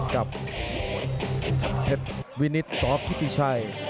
กับเทปวินิศซอฟพิติชัย